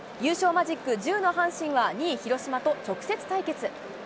マジック１０の阪神は、２位・広島と直接対決。